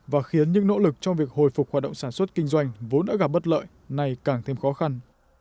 và khiến những nỗ lực trong việc hồi phục hoạt động sản xuất kinh doanh vốn đã gặp bất lợi này càng thêm khó khăn